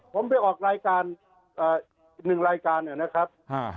ผมไปออกรายการหนึ่งรายการเนี่ยนะครับ